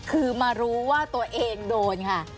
คือมารู้ว่าตัวเองโดนค่ะ